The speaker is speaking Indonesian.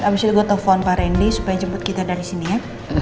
abis itu gue telepon pak randy supaya jemput kita dari sini ya